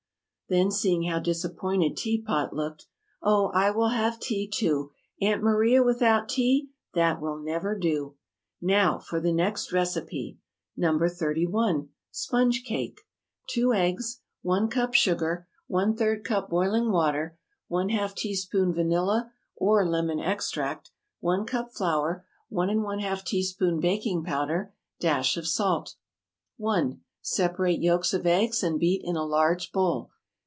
Then, seeing how disappointed Tea Pot looked: "Oh, I will have tea, too. Aunt Maria without tea! That will never do!" "Now for the next recipe: NO. 31. SPONGE CAKE. 2 eggs 1 cup sugar 1/3 cup boiling water ½ teaspoon vanilla (or lemon extract) 1 cup flour 1½ teaspoon baking powder dash of salt 1. Separate yolks of eggs and beat in a large bowl.